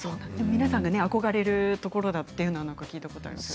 皆さんが憧れるところだと聞いたことがあります。